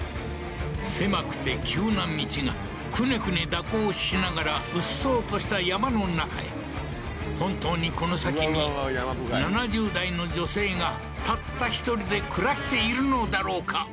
狭くて急な道がクネクネ蛇行しながらうっそうとした山の中へ本当にこの先に７０代の女性がたった一人で暮らしているのだろうか？